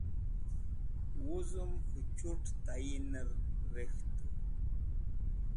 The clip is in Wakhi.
wuz'em k̃hu chut tayin'er rek̃htu